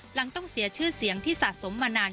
หลังต้องเสียชื่อเสียงที่สะสมมานาน